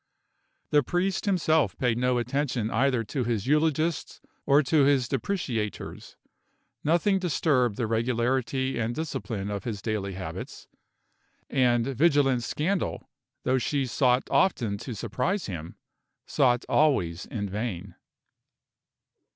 The priest himself paid no attention either to his eulogists or his depreciators. Nothing disturbed the regularity and discipline of his daily habits; and vigilant Scandal, though she sought often to surprise him, sought always in vain.